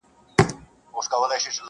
اشنا مي پاته په وطن سو!.